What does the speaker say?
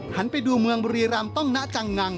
ไปดูเมืองบุรีรำต้องนะจังงัง